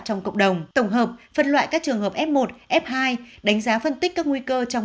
trong cộng đồng tổng hợp phân loại các trường hợp f một f hai đánh giá phân tích các nguy cơ trong